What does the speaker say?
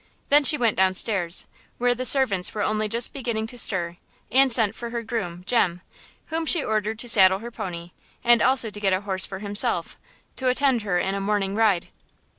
Then she went down stairs, where the servants were only just beginning to stir, and sent for her groom, Jem, whom she ordered to saddle her pony, and also to get a horse for himself, to attend her in a morning ride.